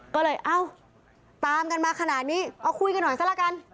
ก็เลยเอ้าตามกันมาขนาดนี้เอาคุยกันหน่อยซะละกัน